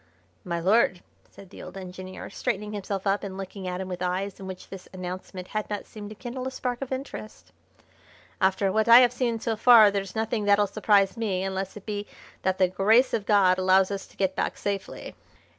"My lord," said the old engineer, straightening himself up and looking at him with eyes in which this announcement had not seemed to kindle a spark of interest, "after what I have seen so far there's nothing that'll surprise me unless it be that the grace of God allows us to get back safely."